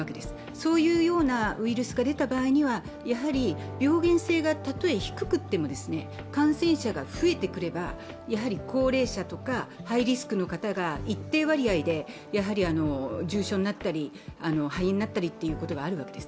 そういうようなウイルスが出た場合には、病原性がたとえ低くても感染者が増えてくればやはり高齢者とかハイリスクの方が一定割合で重症になったり、肺炎になったりということがあるわけです。